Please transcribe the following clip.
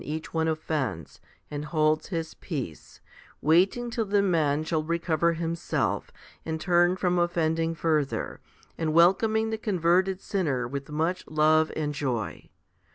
HOMILY IV 33 each one offends, and holds His peace, waiting till the man shall recover himself and turn from offending further, and welcoming the converted sinner with much love and joy.